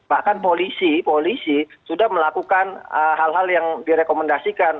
bahkan polisi polisi sudah melakukan hal hal yang direkomendasikan